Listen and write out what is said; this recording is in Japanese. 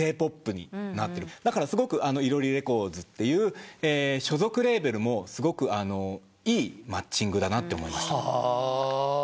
だからすごくＩＲＯＲＩＲｅｃｏｒｄｓっていう所属レーベルもすごくいいマッチングだなと思いました。